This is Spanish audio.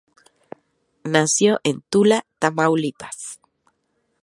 Nació en Tula, Tamaulipas.